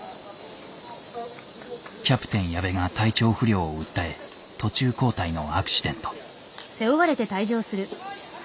キャプテン矢部が体調不良を訴え途中交代のアクシデント。